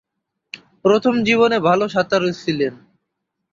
প্রথম জীবনে ভালো সাঁতারু ছিলেন।